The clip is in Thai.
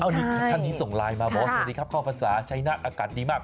นี่ท่านนี้ส่งไลน์มาบอกว่าสวัสดีครับเข้าภาษาชัยนาฏอากาศดีมาก